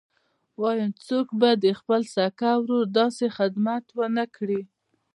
وايم څوک به د خپل سکه ورور داسې خدمت ونه کي.